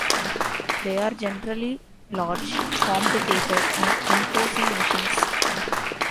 They are generally large, complicated, and imposing machines.